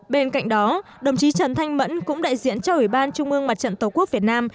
bên cạnh đó đồng chí trần thanh mẫn cũng đại diện cho ủy ban trung ương mặt trận tổ quốc việt nam